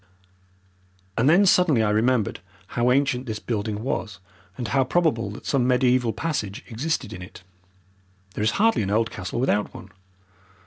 And then suddenly I remembered how ancient this building was, and how probable that some mediaeval passage existed in it. There is hardly an old castle without one.